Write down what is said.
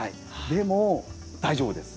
でも大丈夫です。